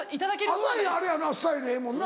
朝日あれやなスタイルええもんな。